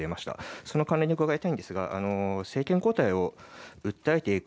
その関連で伺いたいんですが、政権交代を訴えていく